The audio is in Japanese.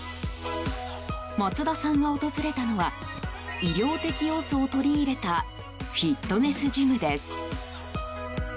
松田さんが訪れたのは医療的要素を取り入れたフィットネスジムです。